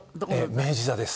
明治座です。